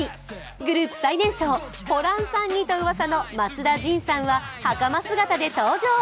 グループ最年少、ホランさん似とうわさの松田迅さんははかま姿で登場。